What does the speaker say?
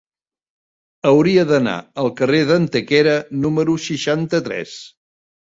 Hauria d'anar al carrer d'Antequera número seixanta-tres.